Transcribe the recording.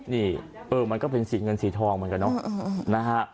นี่เออมันก็เป็นสีเงินสีทองเหมือนกันเนอะนะฮะ